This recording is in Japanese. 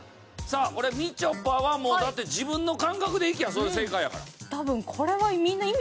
さあこれみちょぱはもうだって自分の感覚でいきゃそれ正解やから。